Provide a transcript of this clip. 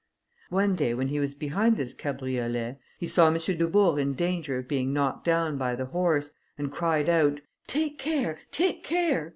One day when he was behind this cabriolet, he saw M. Dubourg in danger of being knocked down by the horse, and cried out, "Take care, take care!"